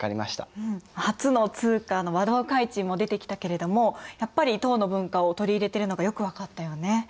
初の通貨の和同開珎も出てきたけれどもやっぱり唐の文化を取り入れてるのがよく分かったよね。